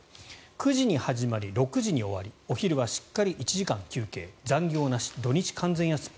９時に始まり６時に終わりお昼はしっかり１時間休憩残業なし、土日完全休み。